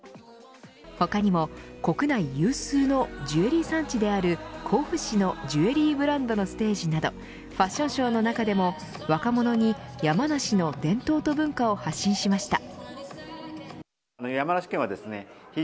他にも国内有数のジュエリー産地である甲府市のジュエリーブランドのステージなどファッションショーの中でも若者に山梨の伝統と文化を発信しました。